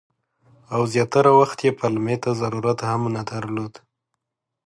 او زیاتره وخت یې پلمې ته ضرورت هم نه درلود.